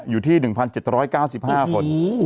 อยู่ที่๑๗๙๕คน